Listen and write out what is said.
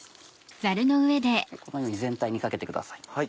このように全体にかけてください。